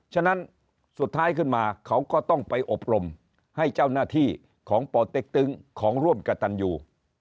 ฉะนั้นสุดท้ายขึ้นมาเขาก็ต้องไปอบรมให้เจ้าหน้าที่ของปเต็กตึงของร่วมกับตันยู